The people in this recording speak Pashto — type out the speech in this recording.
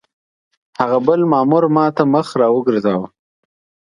هغه بل مامور ما ته مخ را وګرځاوه.